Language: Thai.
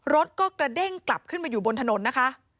รถก็กระเด้งกลับขึ้นมาอยู่บนถนนนะคะ